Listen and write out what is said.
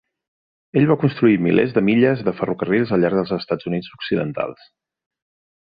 Ell va construir milers de milles de ferrocarrils al llarg dels Estats Units occidentals.